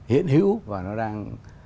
hiễn hữu và nó đang